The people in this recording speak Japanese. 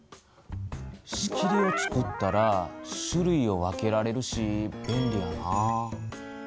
しきりをつくったら種類を分けられるし便利やな。